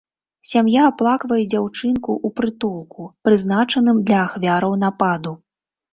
Сям'я аплаквае дзяўчынку ў прытулку, прызначаным для ахвяраў нападу.